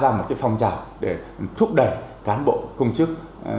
tạo ra một phong trào để thúc đẩy cán bộ công chức